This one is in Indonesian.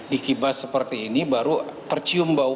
dikibas seperti ini baru tercium bau